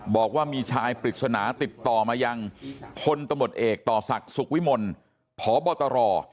บอกว่ามีชายปริศนาติดต่อมายังพลตำรวจเอกต่อศักดิ์สุขวิมลพบตร